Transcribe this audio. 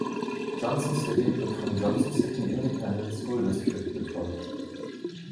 Johnson City wird vom Johnson City Independent School District betreut.